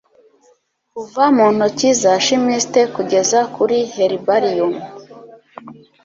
Kuva mu ntoki za chimiste kugeza kuri herbarium